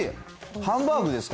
ハンバーグですか？